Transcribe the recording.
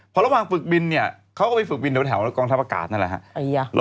พอระหว่างฝึกบินเนี่ยเขาก็ไปฝึกบินแถวกองทัพอากาศนั่นแหละฮะ